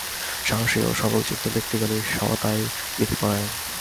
সাহসী ও সবলচিত্ত ব্যক্তিগণ সদাই নীতিপরায়ণ।